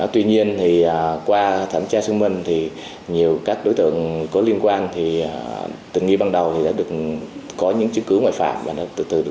thân trọng tối đa